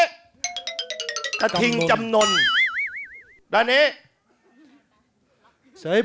เอ้อไม่ใช่ครับ